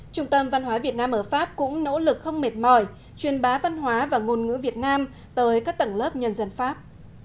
trung tâm văn hóa việt nam ở pháp cũng nỗ lực không mệt mỏi truyền bá văn hóa và ngôn ngữ việt nam tới các tầng lớp nhân dân pháp